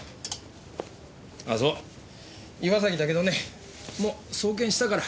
あそう岩崎だけどねもう送検したから。